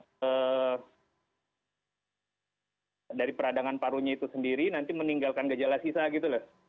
ada fibrosis apa dari peradangan parunya itu sendiri nanti meninggalkan gejala sisa gitu loh